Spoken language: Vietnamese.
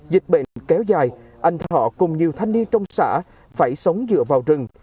dịch bệnh kéo dài anh thọ cùng nhiều thanh niên trong xã phải sống dựa vào rừng